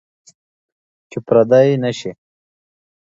چې پردي نشئ.